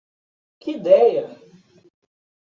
Que ideia!